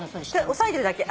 押さえてるだけ。